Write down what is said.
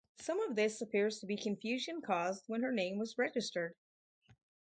Some of this appears to be confusion caused when her name was registered.